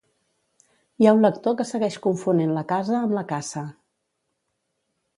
Hi ha un lector que segueix confonent la casa amb la caça